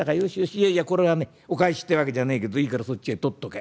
いやいやこれはねお返しってわけじゃねえけどいいからそっちへ取っとけ」。